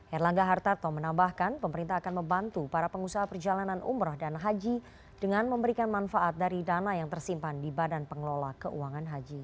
erlangga hartarto menambahkan pemerintah akan membantu para pengusaha perjalanan umroh dan haji dengan memberikan manfaat dari dana yang tersimpan di badan pengelola keuangan haji